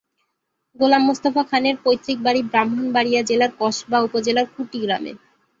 গোলাম মোস্তফা খানের পৈতৃক বাড়ি ব্রাহ্মণবাড়িয়া জেলার কসবা উপজেলার কুটি গ্রামে।